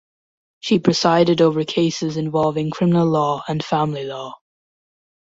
She presided over cases involving criminal law and family law.